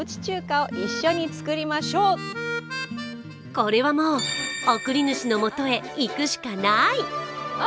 これはもう送り主の元へ行くしかない。